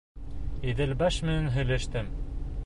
Иҙелбаш менән һөйләштем.